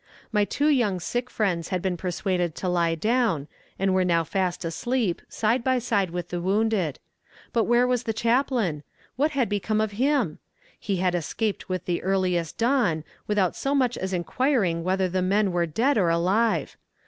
My two young sick friends had been persuaded to lie down, and were now fast asleep, side by side with the wounded. But where was the chaplain? What had become of him? He had escaped with the earliest dawn, without so much as inquiring whether the men were dead or alive.